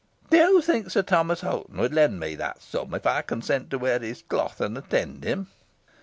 "Do you think Sir Thomas Hoghton would lend me that sum if I consent to wear his cloth, and attend him?"